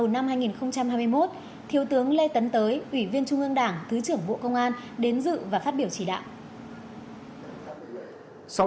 năm hai nghìn hai mươi một thiếu tướng lê tấn tới ủy viên trung ương đảng thứ trưởng bộ công an đến dự và phát biểu chỉ đạo